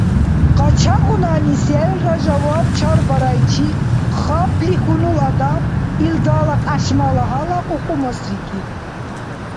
Къачагъунани селра жаваб чарбарайчи хапли хьунул адам илдала кьяшмала гьала кьукьмусрикиб.